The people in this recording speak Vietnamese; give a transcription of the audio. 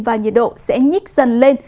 và nhiệt độ sẽ nhích dần lên